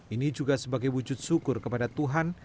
ini juga sebagai wujud syukur kepada tuhan